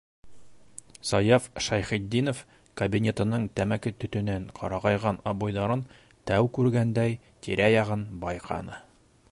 Саяф Шәйхетдинов кабинетының тәмәке төтөнөнән ҡарайған обойҙарын тәү күргәндәй, тирә-яғын байҡаны.